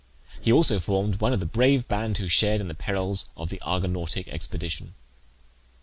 He also formed one of the brave band who shared in the perils of the Argonautic expedition.